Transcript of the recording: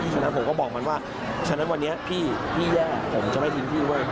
ฉะนั้นผมก็บอกมันว่าฉะนั้นวันนี้พี่แย่ผมจะไม่ทิ้งพี่เว้ย